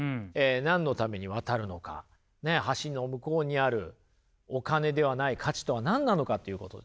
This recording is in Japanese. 何のために渡るのか橋の向こうにあるお金ではない価値とは何なのかということになるわけですね。